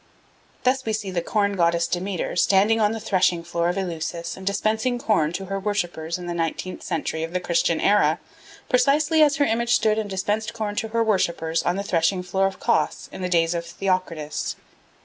Thus we see the Corn Goddess Demeter standing on the threshing floor of Eleusis and dispensing corn to her worshippers in the nineteenth century of the Christian era, precisely as her image stood and dispensed corn to her worshippers on the threshing floor of Cos in the days of Theocritus.